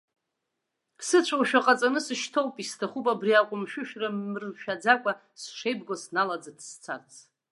Сыцәоушәа ҟаҵаны сышьҭоуп, исҭахуп убри аҟәымшәышәра мыршәаӡакәа сшеибгоу сналаӡыҭ сцарц.